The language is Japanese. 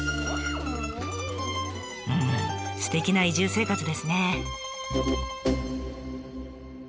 うんすてきな移住生活ですね。